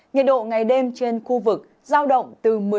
nhiệt độ ngày đêm trên khu vực giao động từ một mươi sáu đến ba mươi hai độ